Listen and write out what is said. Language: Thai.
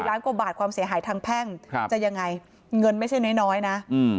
ล้านกว่าบาทความเสียหายทางแพ่งจะยังไงเงินไม่ใช่น้อยนะ